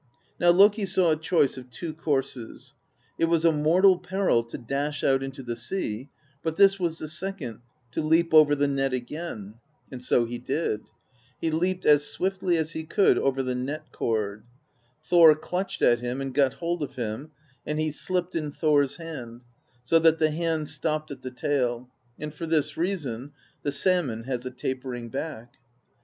Now Loki saw a choice of two courses: it was a mortal peril to dash out into the sea; but this was the second — to leap over the net again. And so he did : he leaped as swiftly as he could over the net cord. Thor clutched at him and got hold of him, and he slipped in Thor's hand, so that the hand stopped at the tail; and for this reason the salmon has a tapering back.